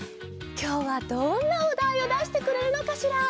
きょうはどんなおだいをだしてくれるのかしら？